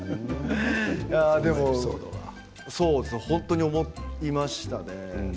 でも、本当に思いましたね。